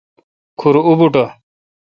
کھور اوبوٹھ۔